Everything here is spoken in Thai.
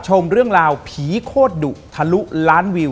ขอบคุณนะครับ